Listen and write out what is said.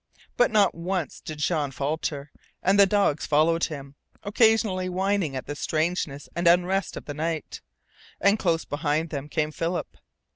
But not once did Jean falter, and the dogs followed him, occasionally whining at the strangeness and unrest of the night; and close behind them came Philip.